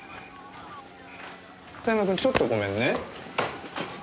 遠山君ちょっとごめんね。